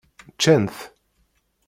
Ccant.